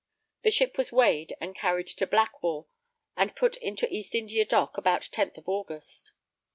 The ship was weighed, and carried to Blackwall, and put into the East India Dock about the 10th of August.